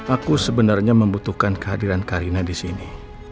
aku sebenarnya membutuhkan kehadiran karina disini